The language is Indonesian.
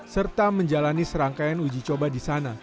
serta menjalani serangkaian uji coba di sana